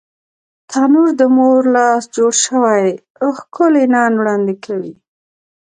تنور د مور لاس جوړ شوی ښکلی نان وړاندې کوي